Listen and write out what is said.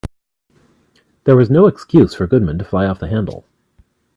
There was no excuse for Goodman to fly off the handle.